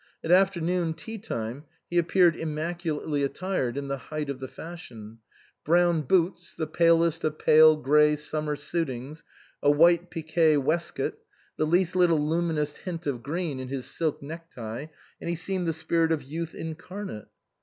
At afternoon tea time he appeared immaculately attired in the height of the fashion ; brown boots, the palest of pale grey summer suitings, a white pique waist coat, the least little luminous hint of green in his silk necktie, and he seemed the spirit of youth incarnate.